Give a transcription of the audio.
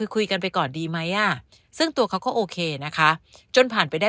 คุยกันไปก่อนดีไหมอ่ะซึ่งตัวเขาก็โอเคนะคะจนผ่านไปได้